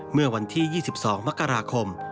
เมื่อวันที่๒๒มกราคม